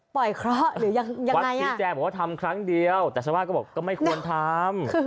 เคราะห์หรือยังวัดชี้แจงบอกว่าทำครั้งเดียวแต่ชาวบ้านก็บอกก็ไม่ควรทำ